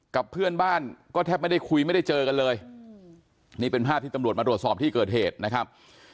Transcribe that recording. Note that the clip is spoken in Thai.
กับเพื่อนบ้านก็แทบไม่ได้คุยไม่ได้เจอกันเลยนี่เป็นภาพที่ตำรวจมาตรวจสอบที่เกิดเหตุนะครับ